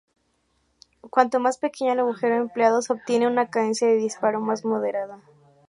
Cuanto más pequeño el agujero empleado, se obtiene una cadencia de disparo más moderada".